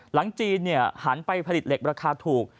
หลังจีนหันไปผลิตเหล็กราคาถูก